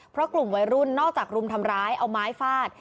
เพราะกลุ่มวัยรุ่นนอกจากรุมทำร้ายเอาไม้ฟาด